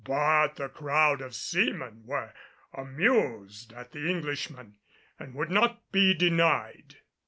But the crowd of seamen were amused at the Englishman and would not be denied.